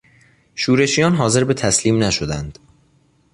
شورشیان حاضر به تسلیم نشدند.